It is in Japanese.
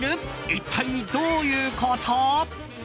一体、どういうこと？